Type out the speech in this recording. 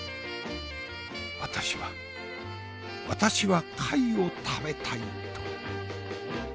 「私は私は貝を食べたい」と。